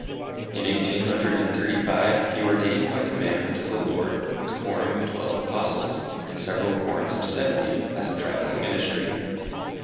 In eighteen hundred and thirty five, he ordained by commandment of the Lord, a quorum of Twelve Apostles, and several quorums of seventy, as a traveling ministry.